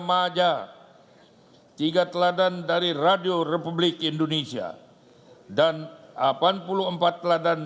saya sudah sempat mengucapkan selamat datang